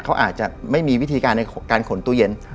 เขาอาจจะไม่มีวิธีการในการขนตู้เย็น